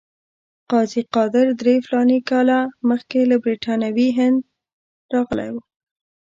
قاضي قادر درې فلاني کاله مخکې له برټانوي هند راغلی وو.